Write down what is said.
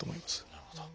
なるほど。